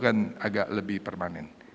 agak lebih permanen